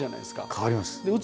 変わります。